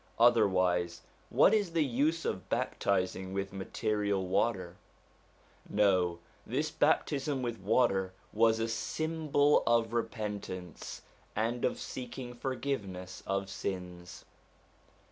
Otherwise, what is the use of baptizing with material water ? No, this baptism with water was a symbol of repentance, and of seeking forgiveness of sins.